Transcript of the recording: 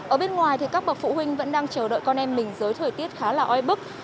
ở bên ngoài thì các bậc phụ huynh vẫn đang chờ đợi con em mình dưới thời tiết khá là oi bức